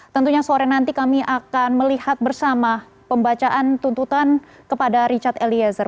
tentunya sore nanti kami akan melihat bersama pembacaan tuntutan kepada richard eliezer